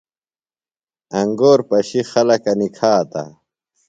انگور پشیۡ خلکہ نِکھاتہ۔